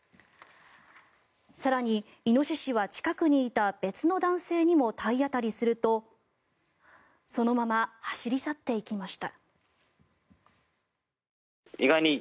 更に、イノシシは近くにいた別の男性にも体当たりするとそのまま走り去っていきました。